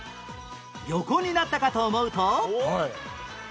横になったかと思うと